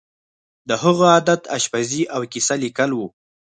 د هغه عادت آشپزي او کیسه لیکل وو